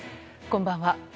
こんばんは。